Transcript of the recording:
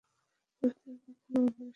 পুরুষদের কখনো ভরসাই করতে নেই।